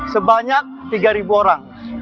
sebanyak tiga orang